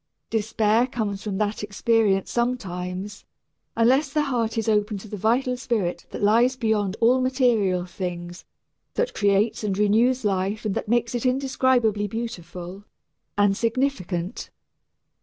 Despair comes from that experience sometimes, unless the heart is open to the vital spirit that lies beyond all material things, that creates and renews life and that makes it indescribably beautiful and significant.